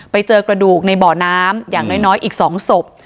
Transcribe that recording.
ไปเจอกระดูกในบ่อน้ำอย่างน้อยอีก๒ศพ